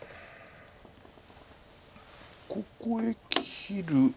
ここへ切る。